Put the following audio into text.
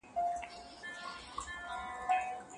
ښځه د خپل مېړه په ستړیاوو کي د تسلۍ او ارامۍ یوازینۍ ملغلره ده